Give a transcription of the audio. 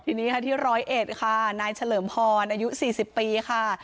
ทีนี้ค่ะที่ร้อยเอ็ดค่ะนายเฉลิมพรอายุ๔๐ปีค่ะ